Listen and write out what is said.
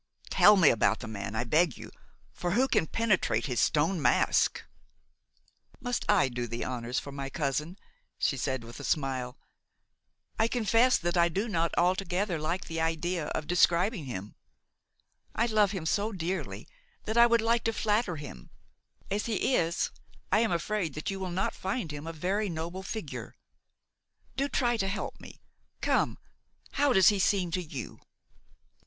"Tell me about the man, I beg you; for who can penetrate his stone mask?" "Must I do the honors for my cousin?" she said with a smile. "I confess that I do not altogether like the idea of describing him; I love him so dearly that I would like to flatter him; as he is, I am afraid that you will not find him a very noble figure. Do try to help me; come, how does he seem to you?"